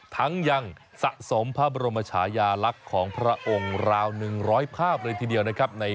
ทั้งยังสะสมพระบรมชายาลักษณ์ของพระองค์ราว๑๐๐ภาพเลยทีเดียวนะครับ